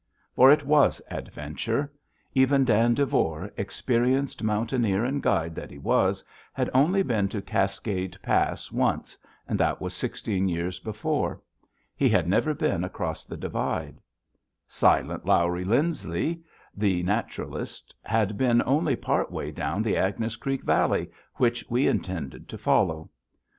For it was adventure. Even Dan Devore, experienced mountaineer and guide that he was, had only been to Cascade Pass once, and that was sixteen years before. He had never been across the divide. "Silent Lawrie" Lindsley, the naturalist, had been only part way down the Agnes Creek Valley, which we intended to follow.